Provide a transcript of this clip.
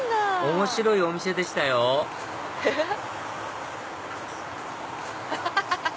面白いお店でしたよアハハハ！